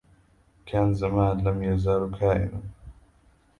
كان زمان لم يزل كائنا